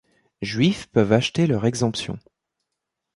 Juifs peuvent acheter leur exemption.